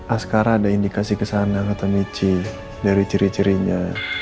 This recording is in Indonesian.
askarada indikasi kesana kata michi dari ciri cirinya